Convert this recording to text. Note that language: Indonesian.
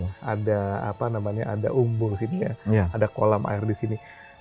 jadi ada umbur di sini ada kolam air di sini